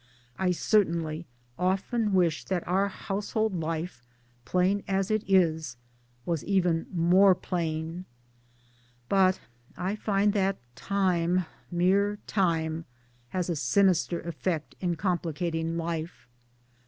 I certainly often wish that our household life, plain as it is, was even more plain. But I find that Time mere Time has a sinister effect in complicating life.